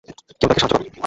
কেউ তাকে সাহায্য করো!